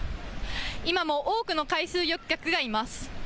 今も多くの海水浴客がいます。